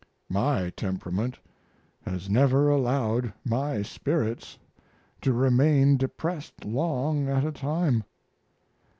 My temperament has never allowed my spirits to remain depressed long at a time.